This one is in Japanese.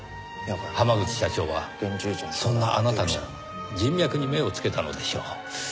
濱口社長はそんなあなたの人脈に目をつけたのでしょう。